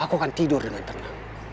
aku akan tidur dengan tenang